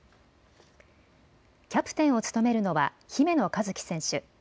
キャプテンを務めるのは姫野和樹選手。